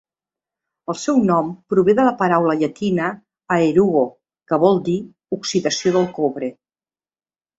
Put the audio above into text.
El seu nom prové de la paraula llatina "aerugo", que vol dir "oxidació del cobre".